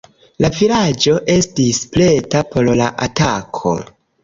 La vilaĝo estis preta por la atako.